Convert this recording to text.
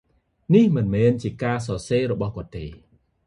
នេះមិនមែនជាការសរសេររបស់គាត់ទេ។